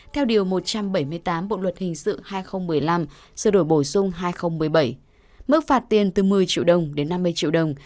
theo điều một trăm bảy mươi tám bộ luật hình sự hai nghìn một mươi năm sửa đổi bổ sung hai nghìn một mươi bảy mức phạt tiền từ một mươi triệu đồng đến năm mươi triệu đồng